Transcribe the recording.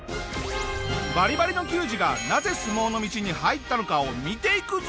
バリバリの球児がなぜ相撲の道に入ったのかを見ていくぞ。